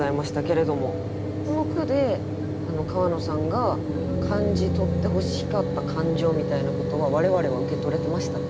この句で川野さんが感じとってほしかった感情みたいなことは我々は受け取れてましたか？